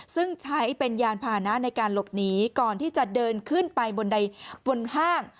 ซึ่งใช้เป็นยานพานะในการหลบหนีก่อนที่จะเดินขึ้นไปบนใดบนห้าง